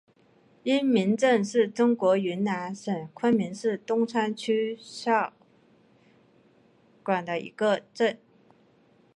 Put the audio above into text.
因民镇是中国云南省昆明市东川区下辖的一个镇。